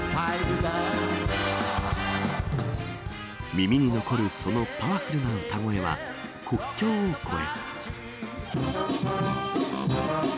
耳に残るそのパワフルな歌声は国境を越え。